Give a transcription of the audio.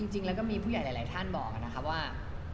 จริงแล้วก็มีผู้ใหญ่หลายท่านบอกนะคะว่า